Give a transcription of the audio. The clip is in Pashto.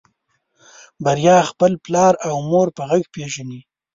بريا خپل پلار او مور په غږ پېژني.